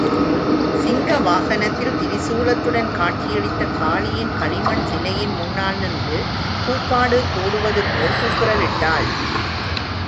சிங்க வாகனத்தில் திரிசூலத்துடன் காட்சியளித்த காளியின் களிமண் சிலையின் முன்னால் நின்று கூப்பாடு போடுவதுபோல் கூக்குரலிட்டாள்.